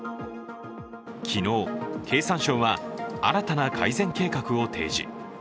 昨日、経産省は新たな改善計画を提示。